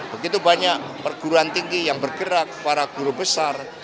begitu banyak perguruan tinggi yang bergerak para guru besar